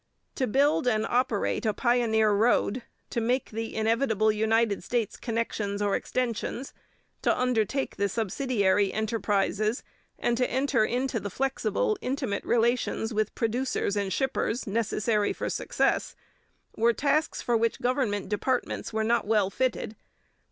To build and operate a pioneer road, to make the inevitable United States connections or extensions, to undertake the subsidiary enterprises and to enter into the flexible, intimate relations with producers and shippers necessary for success, were tasks for which government departments were not well fitted.